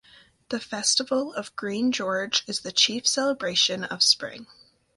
The festival of Green George is the chief celebration of spring.